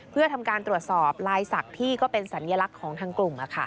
เพื่อทำการตรวจสอบลายศักดิ์ที่ก็เป็นสัญลักษณ์ของทางกลุ่ม